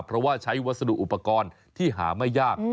เพราะว่าใช้วัสดุอุปกรณ์ที่หาไม่ยาก